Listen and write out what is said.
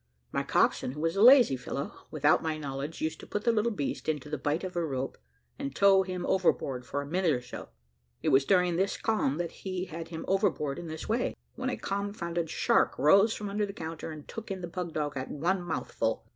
My coxswain, who was a lazy fellow, without my knowledge, used to put the little beast into the bight of a rope, and tow him overboard for a minute or so. It was during this calm that he had him overboard in this way, when a confounded shark rose from under the counter, and took in the pug dog at one mouthful.